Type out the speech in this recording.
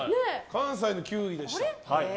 関西の９位でした。